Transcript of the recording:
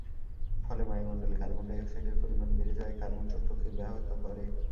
ফলে বায়ুমণ্ডলে কার্বন ডাই-অক্সাইডের পরিমাণ বেড়ে যায় কার্বন চক্রকে ব্যাহত করে।